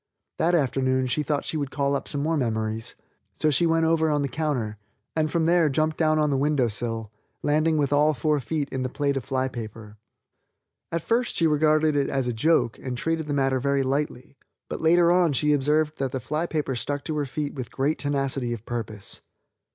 That afternoon she thought she would call up some more memories, so she went over on the counter, and from there jumped down on the window sill, landing with all four feet in the plate of fly paper. At first she regarded it as a joke and treated the matter very lightly, but later on she observed that the fly paper stuck to her feet with great tenacity of purpose.